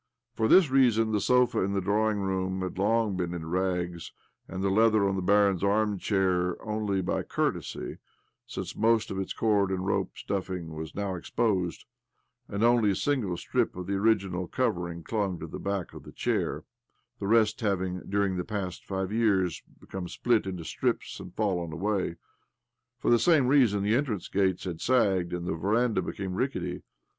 For this reason the sofa in the drawing room had long been in rags, and the leather on the bariii's arm chair leather only, by courtesy, since most of its cord and rope stuffing was now exposed, and only a single strip of the original covering clung to the back of the chair— the rest having, during the past five years, become split into strips, and fallen away. For the same reason the entrance gates had sagged, and the veranda become rickety.